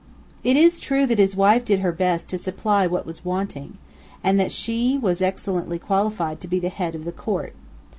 It is true that his wife did her best to supply what was wanting, and that she was excellently qualified to be the head of the Court.